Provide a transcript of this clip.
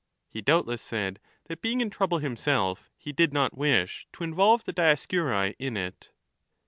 * He doubtless said that being in trouble himself he did not wish to involve the Dioscuri in it.